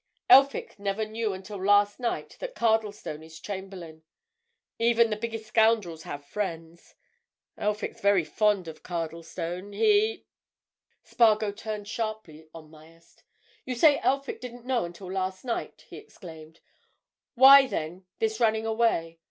Elphick never knew until last night that Cardlestone is Chamberlayne. Even the biggest scoundrels have friends—Elphick's very fond of Cardlestone. He——" Spargo turned sharply on Myerst. "You say Elphick didn't know until last night!" he exclaimed. "Why, then, this running away?